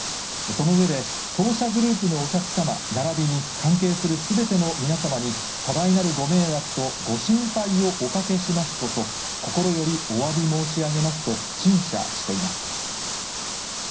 その上で、当社グループのお客様ならびに関係するすべての皆様に、多大なるご迷惑とご心配をおかけしますこと、心よりおわび申し上げますと陳謝しています。